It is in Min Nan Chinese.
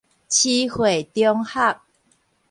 徐匯中學